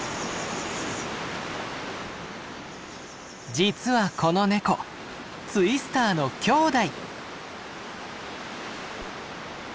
実はこのネコツイスターの兄弟。